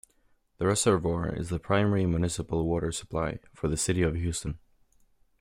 The reservoir is the primary municipal water supply for the city of Houston.